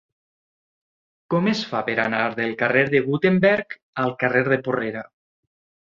Com es fa per anar del carrer de Gutenberg al carrer de Porrera?